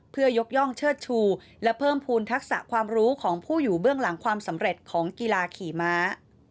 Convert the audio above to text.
เพื่อยกย่องเชิดชูและเพิ่มภูมิทักษะความรู้ของผู้อยู่เบื้องหลังความสำเร็จของกีฬาขี่ม้า